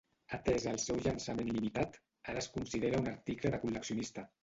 Atès el seu llançament limitat, ara es considera un article de col·leccionista.